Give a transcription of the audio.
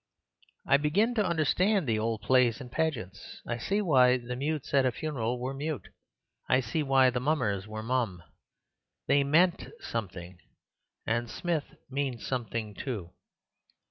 I begin to understand the old plays and pageants. I see why the mutes at a funeral were mute. I see why the mummers were mum. They MEANT something; and Smith means something too.